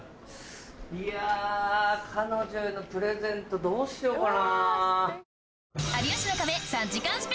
いや彼女へのプレゼントどうしようかな？